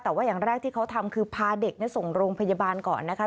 แต่ว่าอย่างแรกที่เขาทำคือพาเด็กส่งโรงพยาบาลก่อนนะคะ